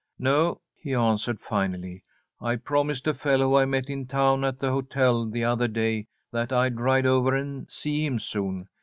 "No," he answered, finally, "I promised a fellow I met in town at the hotel the other day that I'd ride over and see him soon.